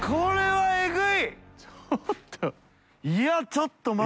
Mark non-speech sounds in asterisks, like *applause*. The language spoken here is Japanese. ちょっと *laughs*